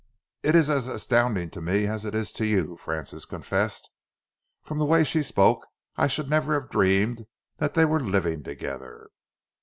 "It is as astounding to me as it is to you," Francis confessed. "From the way she spoke, I should never have dreamed that they were living together."